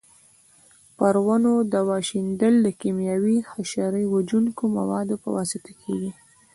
پر ونو دوا شیندل د کېمیاوي حشره وژونکو موادو په واسطه کېږي.